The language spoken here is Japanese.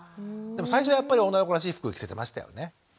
でも最初やっぱり女の子らしい服を着せてましたよね。